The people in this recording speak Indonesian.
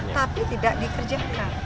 tapi tidak dikerjakan